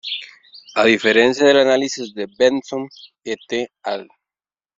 A diferencia del análisis de Benson "et al.